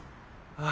ああ。